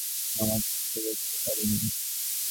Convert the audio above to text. নামাজ ছেড়ে উঠতে পারি না!